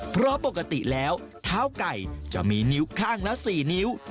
เพราะปกติแล้วเท้าไก่จะมีนิ้วข้างละ๔นิ้ว